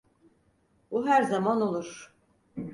Bu her zaman olur.